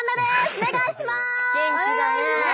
お願いしまーす！